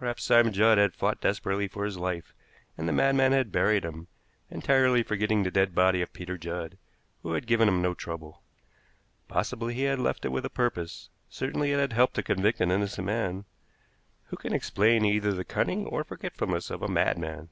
Perhaps Simon Judd had fought desperately for his life, and the madman had buried him, entirely forgetting the dead body of Peter Judd, who had given him no trouble. Possibly he had left it with a purpose; certainly it had helped to convict an innocent man. Who can explain either the cunning or forgetfulness of a madman?